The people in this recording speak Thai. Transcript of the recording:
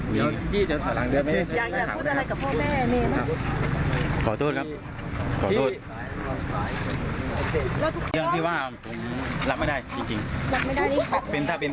มันก็มีเรื่องราวเป็นมากครับ